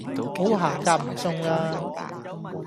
好行夾唔送啦